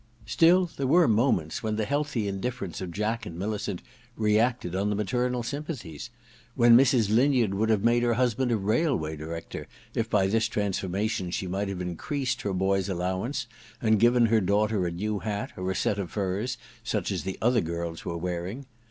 Still there were moments when the healthy I THE DESCENT OF MAN 7 indifFerence of Jack and Millicent reacted on the maternal sympathies ; when Mrs, Linyard would have made her husband a railway director, if by this transformation she might have increased her boy's allowance and given her daughter a new hat, or a set of furs such as the other girls were wearing.